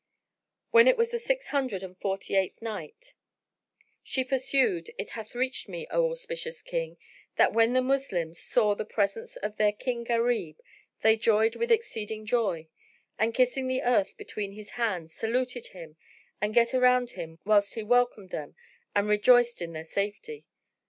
When it was the Six Hundred and Forty eighth Night, She pursued, It hath reached me, O auspicious King, that when the Moslems saw the presence of their King Gharib, they joyed with exceeding joy; and, kissing the earth between his hands, saluted him and gat around him whilst he welcomed them and rejoiced in their safety.